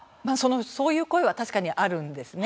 そういう声は確かにあるんです。